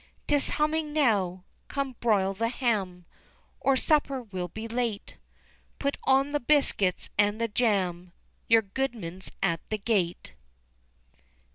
'Tis humming now, _Come, broil the ham Or supper will be late, Put on the biscuits and the jam, You're goodman's at the gate.